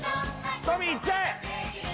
トミーいっちゃえ！